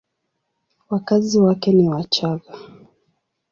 Wakazi wake ni Wachagga.